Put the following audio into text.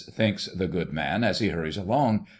thinks the good man as he hurries along.